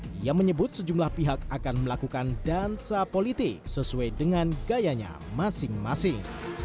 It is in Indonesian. dia menyebut sejumlah pihak akan melakukan dansa politik sesuai dengan gayanya masing masing